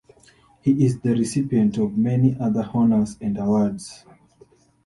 He is the recipient of many other honors and awards.